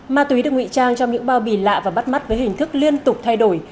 ma túy được ngụy trang trong những bao bì lạ và bắt mắt với hình thức liên tục thay đổi